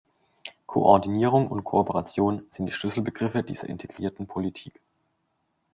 Koordinierung und Kooperation sind die Schlüsselbegriffe dieser integrierten Politik.